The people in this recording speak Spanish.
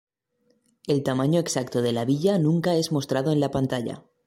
El tamaño exacto de la Villa nunca es mostrado en la pantalla.